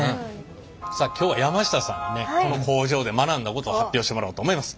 さあ今日は山下さんにねこの工場で学んだことを発表してもらおうと思います。